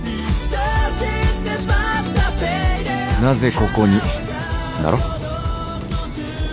「なぜここに？」だろ？